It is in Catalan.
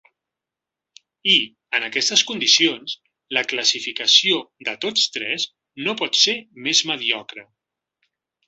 I, en aquestes condicions, la classificació de tots tres no pot ser més mediocre.